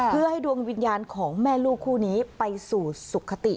เพื่อให้ดวงวิญญาณของแม่ลูกคู่นี้ไปสู่สุขติ